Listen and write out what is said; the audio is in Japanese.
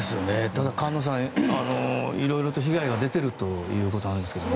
ただ菅野さん、色々と被害が出ているということです。